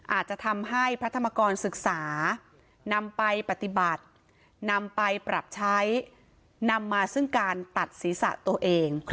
อาจจะทำให้พระธรรมกรศึกษานำไปปฏิบัตินำไปปรับใช้นำมาซึ่งการตัดศีรษะตัวเอง